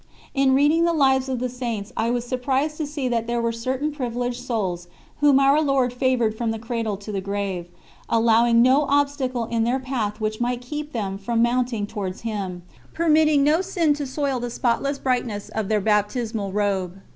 In reading the lives of the Saints I was surprised to see that there were certain privileged souls, whom Our Lord favoured from the cradle to the grave, allowing no obstacle in their path which might keep them from mounting towards Him, permitting no sin to soil the spotless brightness of their baptismal robe.